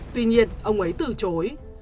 tuy nhiên ông ấy từ chối